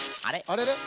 あれ？